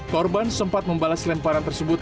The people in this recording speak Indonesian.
korban sempat membalas lemparan tersebut